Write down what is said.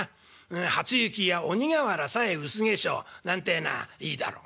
『初雪や鬼瓦さえ薄化粧』なんてえのはいいだろう」。